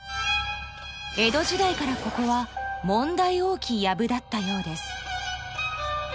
［江戸時代からここは問題多きやぶだったようです］